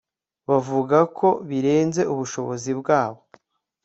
bavuga ko birenze ubushobozi bwabo